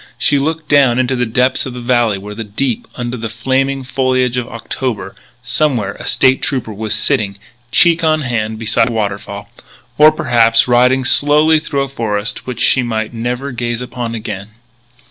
She looked down into the depths of the valley where deep under the flaming foliage of October, somewhere, a State Trooper was sitting, cheek on hand, beside a waterfall or, perhaps, riding slowly through a forest which she might never gaze upon again.